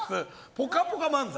ぽかぽか漫才。